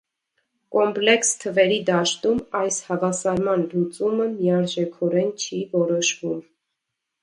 Կոմպլեքս թվերի դաշտում այս հավասարման լուծումը միարժեքորեն չի որոշվում։